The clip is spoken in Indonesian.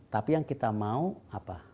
tapi yang kita mau apa